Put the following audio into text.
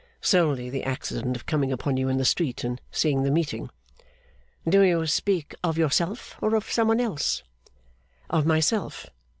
'Solely the accident of coming upon you in the street and seeing the meeting.' 'Do you speak of yourself, or of some one else?' 'Of myself.